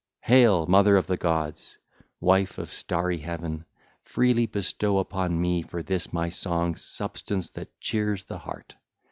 (ll. 17 19) Hail, Mother of the gods, wife of starry Heaven; freely bestow upon me for this my song substance that cheers the heart!